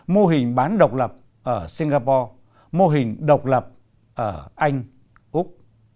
mô hình bán độc lập ở singapore mô hình độc lập ở anh úc